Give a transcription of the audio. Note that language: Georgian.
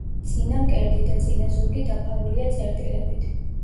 წინა მკერდი და წინა ზურგი დაფარულია წერტილებით.